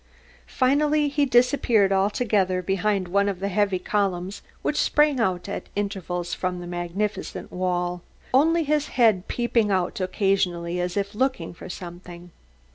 Finally he disappeared altogether behind one of the heavy columns which sprang out at intervals from the magnificent wall. Only his head peeped out occasionally as if looking for something.